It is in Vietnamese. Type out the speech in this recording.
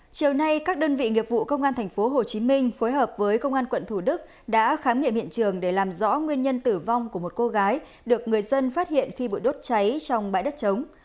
trưa nay các đơn vị nghiệp vụ công an thành phố hồ chí minh phối hợp với công an quận thủ đức đã khám nghiệm hiện trường để làm rõ nguyên nhân tử vong của một cô gái được người dân phát hiện khi bụi đốt cháy trong bãi đất chống